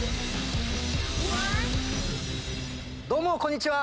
どうもこんにちは！